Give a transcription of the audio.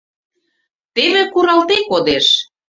Теве куралде кодеш.